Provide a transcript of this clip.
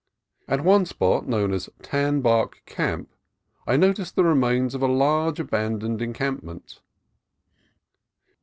At one spot, known as Tan Bark Camp, I noticed the remains of a large abandoned encampment.